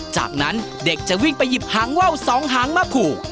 จากนั้นเด็กจะวิ่งไปหยิบหางว่าวสองหางมาขู่